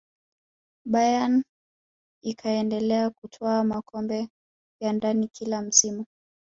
bayern ikaendelea kutwaa makombe ya ndani kila msimu